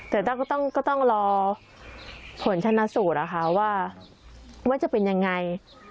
แต่ก็ต้องรอผลชนะสูตรนะคะว่าจะเป็นยังไง